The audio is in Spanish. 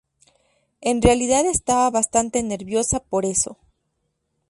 En realidad estaba bastante nerviosa por eso.